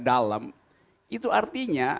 dalam itu artinya